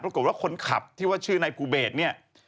ปรากฏว่าคนขับที่ว่าชื่อนายภูเบศเนี่ย